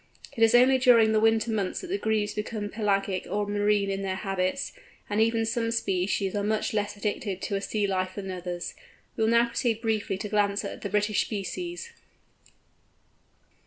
It is only during the winter months that the Grebes become pelagic or marine in their habits, and even some species are much less addicted to a sea life than others. We will now proceed briefly to glance at the British species.